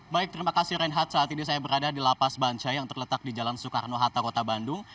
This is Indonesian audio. baik terima kasih reinhard saat ini saya berada di lapas bancai yang terletak di jalan soekarno hatta kota bandung